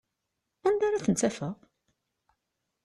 Anda ara tent-afeɣ?